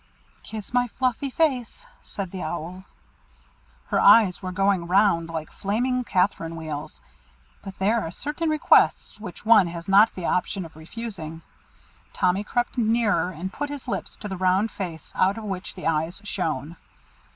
"Kiss my fluffy face," said the Owl. Her eyes were going round like flaming catherine wheels, but there are certain requests which one has not the option of refusing. Tommy crept nearer, and put his lips to the round face out of which the eyes shone.